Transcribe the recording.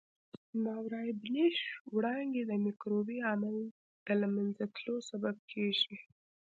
ماورای بنفش وړانګې د مکروبي عامل د له منځه تلو سبب کیږي.